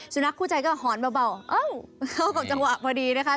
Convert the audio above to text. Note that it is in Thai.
สุนัขผู้ใจก็หอนเบา